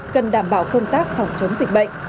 cần đảm bảo công tác phòng chống dịch bệnh